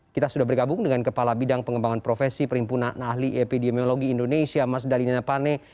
kita sudah bergabung dengan kepala bidang pengembangan profesi perhimpunan ahli epd mewologi indonesia mas dali nenepane